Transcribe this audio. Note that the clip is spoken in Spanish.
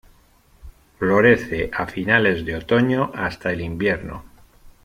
Florece a finales de otoño hasta el invierno.